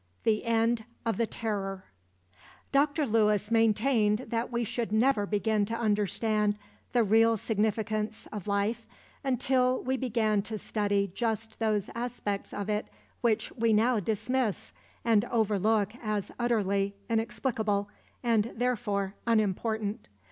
The End of the Terror Dr. Lewis maintained that we should never begin to understand the real significance of life until we began to study just those aspects of it which we now dismiss and overlook as utterly inexplicable, and therefore, unimportant.